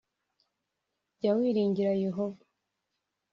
jya wiringira Yehova.